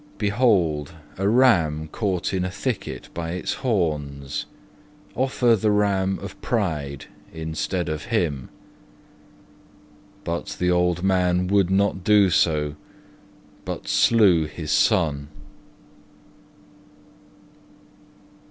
Behold, A ram caught in a thicket by its horns; Offer the Ram of Pride instead of him. But the old man would not so, but slew his son.